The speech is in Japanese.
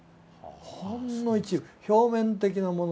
ほんの一部表面的なものだけ。